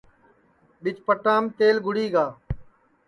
بیچ پٹام تیل کُھٹی گا